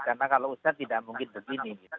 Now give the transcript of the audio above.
karena kalau usia tidak mungkin begini